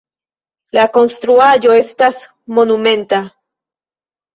La konstruaĵo estas monumenta.